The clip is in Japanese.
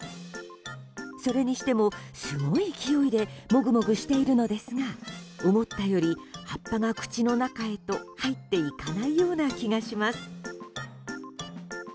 それにしても、すごい勢いでモグモグしているのですが思ったより葉っぱが口の中へと入っていかないような気がします。